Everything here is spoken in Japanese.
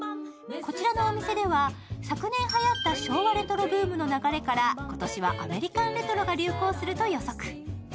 こちらのお店では昨年はやった昭和レトロブームの流れから今年はアメリカンレトロが流行すると予測。